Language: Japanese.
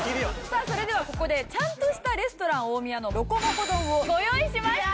さあそれではここでちゃんとしたレストラン大宮のロコモコ丼をご用意しました！